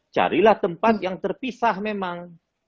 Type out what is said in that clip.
carilah tempat yang terpisah memang